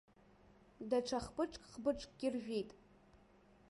Даҽа хпыҿк-хпыҿкгьы ржәит.